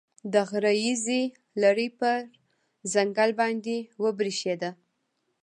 د غره ییزې لړۍ پر ځنګل باندې وبرېښېده.